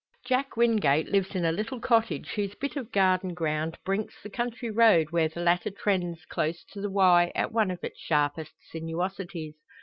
Jack Wingate lives in a little cottage whose bit of garden ground "brinks" the country road where the latter trends close to the Wye at one of its sharpest sinuosities.